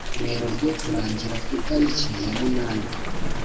werurwe, kurangira ku itariki ya munani